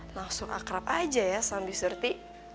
langsung akrab aja ya sambil surty